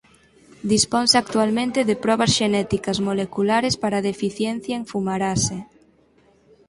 Disponse actualmente de probas xenéticas moleculares para a deficiencia en fumarase.